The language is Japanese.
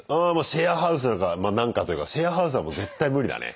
シェアハウスなんかまあ「なんか」というかシェアハウスは絶対無理だね。